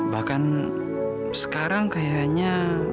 bahkan sekarang kayaknya